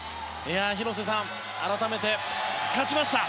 広瀬さん、改めて勝ちました。